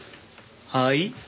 はい？